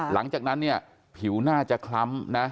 หลังจากนั้นผิวหน้าจะคล้ำ